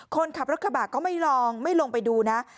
คนขับรถกระบะก็ไม่ลองไม่ลงไปดูนะ